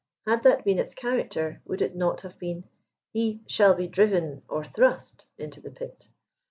Had that been its character, wotild it not have been, he " shall be driven^ or ihrttgt into the pit?"